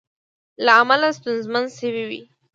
له امله ستونزمنې شوې وې